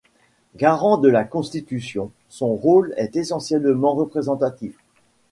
Garant de la constitution, son rôle est essentiellement représentatif.